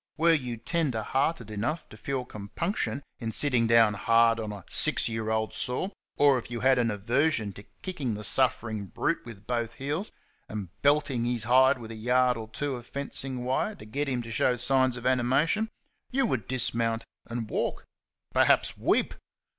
Were you tender hearted enough to feel compunction in sitting down hard on a six year old sore, or if you had an aversion to kicking the suffering brute with both heels and belting his hide with a yard or two of fencing wire to get him to show signs of animation, you would dismount and walk perhaps, weep.